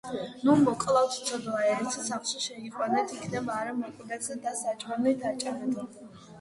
- ნუ მოკლავთ, ცოდოა, ერთ სახლში შეიყვანეთ, იქნებ არ მოკვდეს და საჭმელიც აჭამეთო!